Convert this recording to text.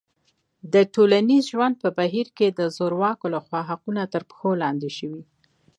د ټولنیز ژوند په بهیر کې د زورواکو لخوا حقونه تر پښو لاندې شوي.